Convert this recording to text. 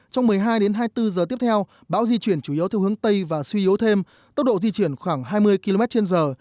trong một mươi hai đến hai mươi bốn giờ tiếp theo bão di chuyển chủ yếu theo hướng tây và suy yếu thêm tốc độ di chuyển khoảng hai mươi km trên giờ